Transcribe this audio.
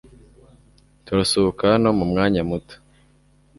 Turasohoka hano mumwanya muto.